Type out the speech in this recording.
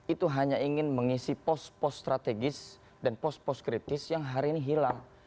itu hanya ingin mengisi pos pos strategis dan pos pos kritis yang hari ini hilang